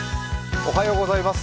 おはようございます